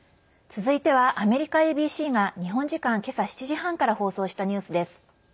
続いては、アメリカＡＢＣが日本時間けさ７時半から放送したニュースです。